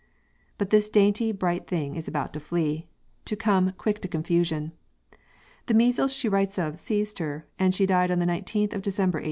But this dainty, bright thing is about to flee, to come "quick to confusion." The measles she writes of seized her, and she died on the 19th of December, 1811.